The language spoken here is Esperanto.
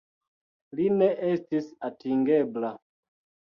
Li ne estis atingebla.